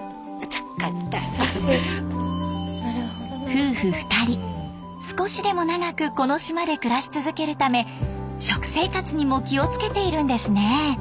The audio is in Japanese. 夫婦２人少しでも長くこの島で暮らし続けるため食生活にも気をつけているんですね。